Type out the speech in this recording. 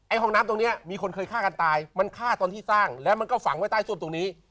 ห้องน้ำตรงนี้มีคนเคยฆ่ากันตายมันฆ่าตอนที่สร้างแล้วมันก็ฝังไว้ใต้ซ่วมตรงนี้